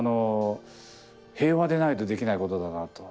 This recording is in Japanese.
平和でないとできないことだなと思って。